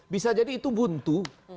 bisa jadi itu buntu